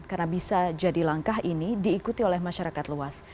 karena bisa jadi langkah ini diikuti oleh masyarakat luas